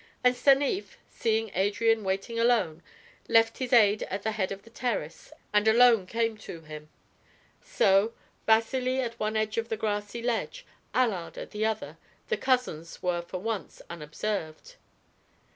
And Stanief, seeing Adrian waiting alone, left his aide at the head of the terrace and alone came to him. So, Vasili at one end of the grassy ledge, Allard at the other, the cousins were for once unobserved.